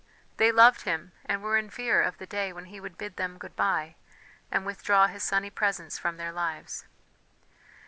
They loved him, and were in fear of the day when he would bid them good bye and withdraw his sunny presence from their lives.